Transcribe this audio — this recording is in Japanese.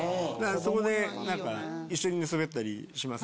そこで何か一緒に寝そべったりします。